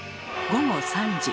午後３時。